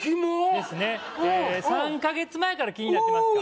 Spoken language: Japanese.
ですね３カ月前から気になってますか？